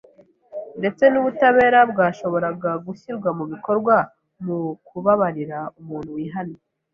ndetse n’ubutabera bwashoboraga gushyirwa mu bikorwa mu kubabarira umuntu wihannye